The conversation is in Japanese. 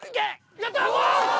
やった！